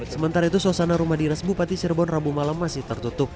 sementara itu suasana rumah dinas bupati cirebon rabu malam masih tertutup